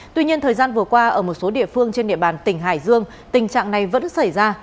tuy nhiên thời gian vừa qua ở một số địa phương trên địa bàn tỉnh hải dương tình trạng này vẫn xảy ra